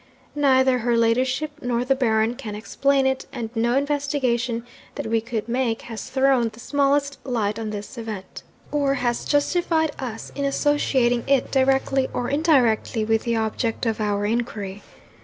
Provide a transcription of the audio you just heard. Neither her ladyship nor the Baron can explain it; and no investigation that we could make has thrown the smallest light on this event, or has justified us in associating it, directly or indirectly, with the object of our inquiry.